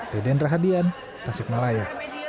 deden rahadian tasikmalaya